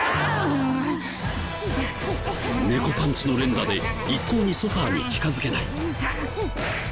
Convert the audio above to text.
猫パンチの連打で一向にソファに近づけない。